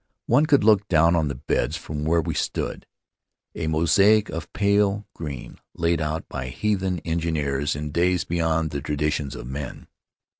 One could look down on the beds from where we stood, Faery Lands of the South Seas a mosaic of pale green, laid out by heathen engineers in days beyond the traditions of men.